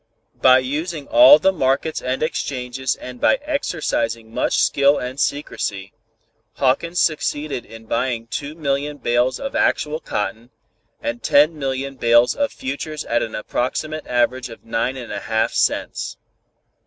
By using all the markets and exchanges and by exercising much skill and secrecy, Hawkins succeeded in buying two million bales of actual cotton, and ten million bales of futures at an approximate average of nine and a half cents.